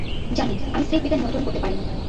জানি, আমি স্রেফ এটা নিয়ন্ত্রণ করতে পারি না।